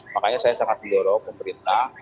makanya saya sangat mendorong pemerintah